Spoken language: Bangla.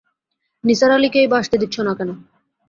নিসার আলিকেই-বা আসতে দিচ্ছ না কেন?